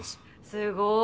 すごい。